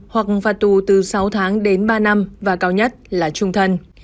hoặc phạt tù từ sáu tháng đến ba năm và cao nhất là trung thân